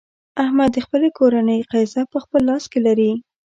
احمد د خپلې کورنۍ قېزه په خپل لاس کې لري.